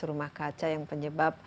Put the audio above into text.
rumah kaca yang penyebab